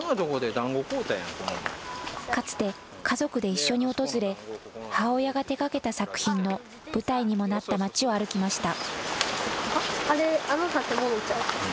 かつて、家族で一緒に訪れ、母親が手がけた作品の舞台にもなった街を歩きました。